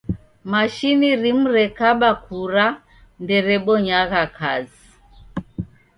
Mashini rimu rekaba kura nderebonyagha kazi.